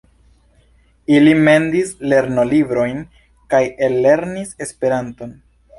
Ili mendis lernolibrojn kaj ellernis Esperanton.